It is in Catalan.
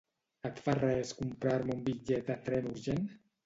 Et fa res comprar-me un bitllet de tren urgent?